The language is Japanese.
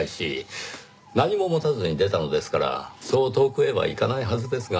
何も持たずに出たのですからそう遠くへは行かないはずですが。